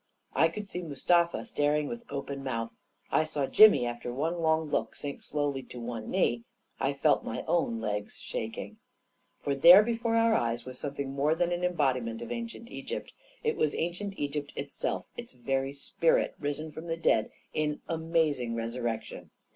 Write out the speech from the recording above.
I could see Mustafa star ing with open mouth; I saw Jimmy, after one long look, sink slowly to one knee; I felt my own legs shaking ... For there before our eyes was something more than an embodiment of ancient Egypt — it was an cient Egypt itself, its very spirit, risen from the dead in amazing resurrection!